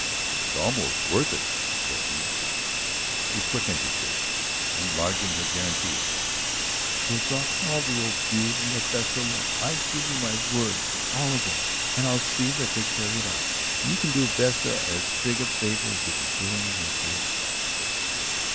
"It's almost worth it," said he. She quickened at this, enlarging her guarantee. "We'll drop all of the old feud and let Vesta alone. I give you my word for all of them, and I'll see that they carry it out. You can do Vesta as big a favor as you'll be doing me, Duke."